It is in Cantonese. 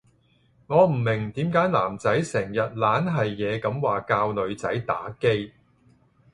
我唔明點解男仔成日懶係野咁話教女仔打機